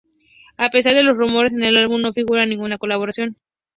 A pesar de los rumores, en el álbum no figura ninguna colaboración.